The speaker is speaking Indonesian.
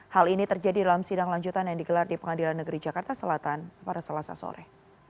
hal ini terjadi dalam sidang lanjutan yang digelar di pengadilan negeri jakarta selatan pada selasa sore